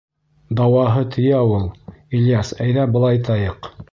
— Дауаһы тейә ул. Ильяс, әйҙә былайтайыҡ.